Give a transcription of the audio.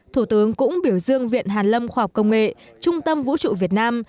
thủ tướng cũng biểu dương viện hàn lâm khoa học công nghệ trung tâm vũ trụ việt nam